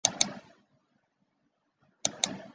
公司被劳工局查到